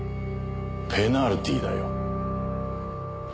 ペナルティーだよ。